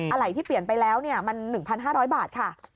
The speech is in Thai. อะไรที่เปลี่ยนไปแล้วมัน๑๕๐๐บาทค่ะ